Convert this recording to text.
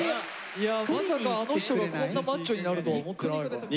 いやまさかあの人がこんなマッチョになるとは思ってないからな。